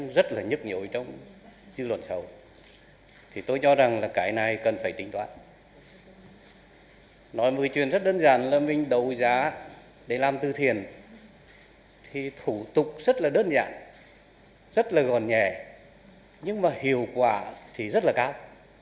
rất là gòn nhẹ nhưng mà hiệu quả thì rất là cao